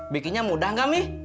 bikinnya mudah gak mi